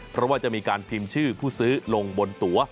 เพราะว่าจะมีการพิมพ์ชื่อผู้ซื้อลงบนตัว